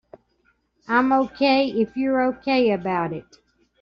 I'm OK if you're OK about it.